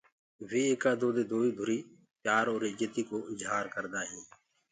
وي ايڪآ دو دي دوئيٚ ڌُري پيآر اور اِجتي ڪو اجهآر ڪردآ هين۔